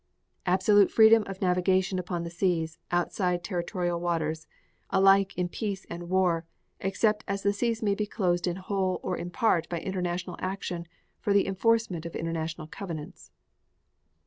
Absolute freedom of navigation upon the seas, outside territorial waters, alike in peace and war, except as the seas may be closed in whole or in part by international action for the enforcement of international covenants.